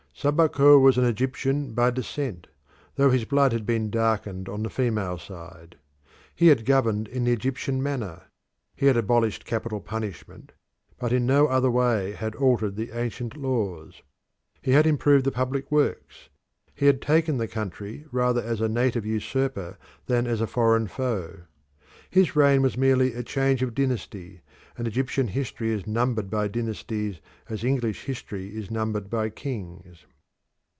Sabaco was an Egyptian by descent, though his blood had been darkened on the female side. He had governed in the Egyptian manner. He had abolished capital punishment, but in no other way had altered the ancient laws. He had improved the public works. He had taken the country rather as a native usurper than as a foreign foe. His reign was merely a change of dynasty, and Egyptian history is numbered by dynasties as English history is numbered by kings.